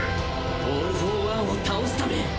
オール・フォー・ワンを倒すため！